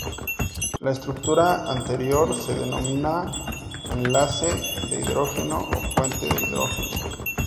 La estructura anterior se denomina enlace de hidrógeno o puente de hidrógeno.